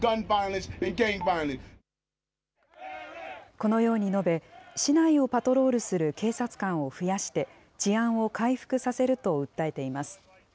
このように述べ、市内をパトロールする警察官を増やして、治安を回復させると訴えています。